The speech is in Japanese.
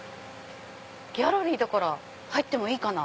ギャラリーだから入ってもいいかな。